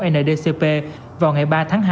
ndcp vào ngày ba tháng hai